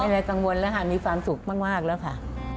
อะไรกังวลแล้วค่ะมีความสุขมากแล้วค่ะ